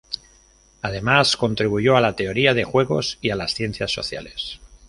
Además, contribuyó a la teoría de juegos y a las ciencias sociales.